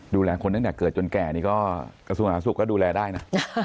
ดูแลคนตั้งแต่เกิดจนแก่นี่ก็กระทรวงสาธารสุขก็ดูแลได้นะ